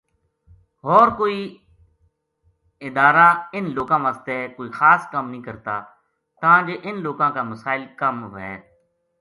ہور کوئی ادارہ اِنھ لوکاں واسطے کوئی خاص کم نیہہ کرتا تاں جے اِنھ لوکاں کا مسائل کم وھے